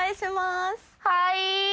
はい。